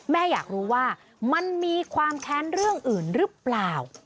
อยากรู้ว่ามันมีความแค้นเรื่องอื่นหรือเปล่า